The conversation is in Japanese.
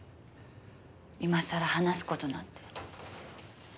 今さら話す事なんて。